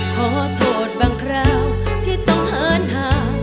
ขอโทษบางครั้งที่ต้องพันหา